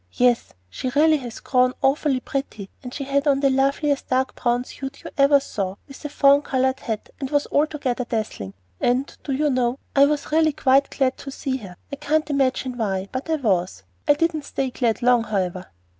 "Yes, she really has grown awfully pretty; and she had on the loveliest dark brown suit you ever saw, with a fawn colored hat, and was altogether dazzling; and, do you know, I was really quite glad to see her. I can't imagine why, but I was! I didn't stay glad long, however."